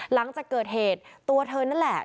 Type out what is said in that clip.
หลังจากเกิดเหตุตัวเธอนั่นแหละ